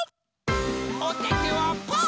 おててはパー！